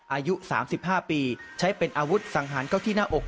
อายุสามสิบห้าปีใช้เป็นอาวุธสังหารเก้าที่หน้าอก